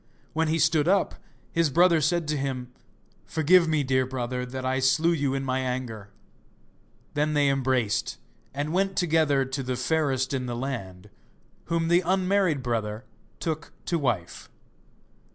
When he stood up, his brother said to him: 'Forgive me, dear brother, that I slew you in my anger.' Then they embraced and went together to the Fairest in the Land, whom the unmarried brother took to wife.